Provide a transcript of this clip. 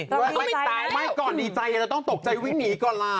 ไม่ตายไม่ก่อนดีใจเราต้องตกใจวิ่งหนีก่อนล่ะ